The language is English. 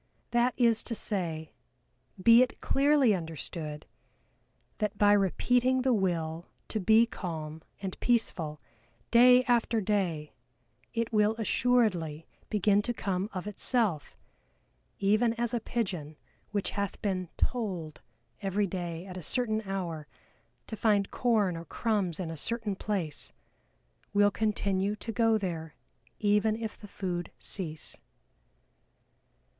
That is to say, be it clearly understood, that by repeating the will to be calm and peaceful, day after day, it will assuredly begin to come of itself, even as a pigeon which hath been "tolled" every day at a certain hour to find corn or crumbs in a certain place, will continue to go there even if the food cease.